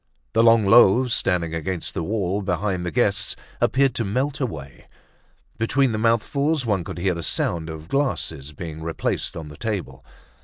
The long loaves standing against the wall behind the guests appeared to melt away. Between the mouthfuls one could hear the sound of glasses being replaced on the table.